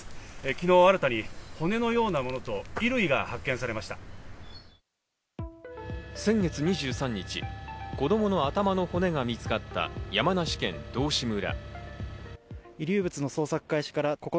昨日新たに骨のようなものと衣類が発見されま先月２３日、子供の頭の骨が見つかった山梨県道志村。